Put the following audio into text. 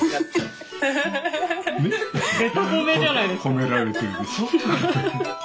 褒められてるでしょ？